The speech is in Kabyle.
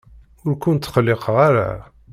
Ur ken-ttqelliqeɣ ara.